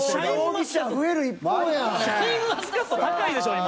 シャインマスカット高いでしょ今。